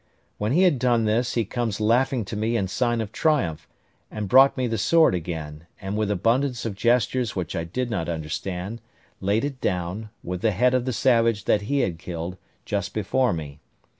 When he had done this, he comes laughing to me in sign of triumph, and brought me the sword again, and with abundance of gestures which I did not understand, laid it down, with the head of the savage that he had killed, just before me.